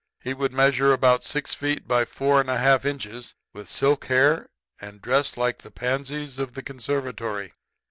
'He would measure about six feet by four and a half inches, with corn silk hair, and dressed like the pansies of the conservatory.'